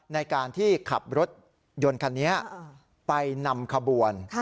ในการที่ขับรถยนต์คันนี้ไปนำขบวน